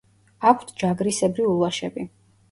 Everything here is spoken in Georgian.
აქვთ ჯაგრისებრი ულვაშები.